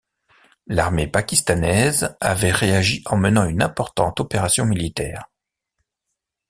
L'armée pakistanaise avait réagi en menant une importante opération militaire.